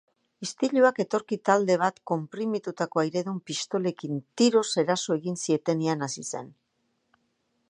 Istiluak etorkin talde bat konprimitutako airedun pistolekin tiroz eraso egin zietenean hasi ziren.